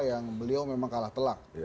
yang beliau memang kalah telak